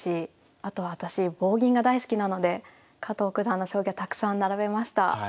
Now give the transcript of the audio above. あと私棒銀が大好きなので加藤九段の将棋はたくさん並べました。